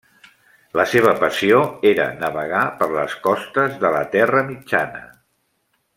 La seva passió era navegar per les costes de la Terra Mitjana.